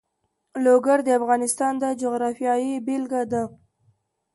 لوگر د افغانستان د جغرافیې بېلګه ده.